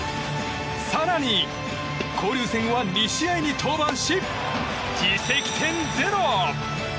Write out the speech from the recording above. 更に交流戦は２試合に登板し自責点ゼロ！